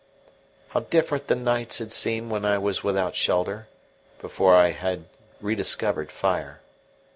How different the nights had seemed when I was without shelter, before I had rediscovered fire!